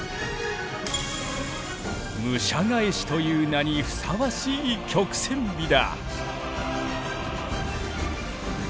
「武者返し」という名にふさわしい曲線美だ。